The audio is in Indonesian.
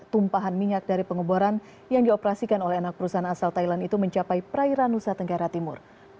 tumpahan minyak dari pengeboran yang dioperasikan oleh anak perusahaan asal thailand itu mencapai perairan nusa tenggara timur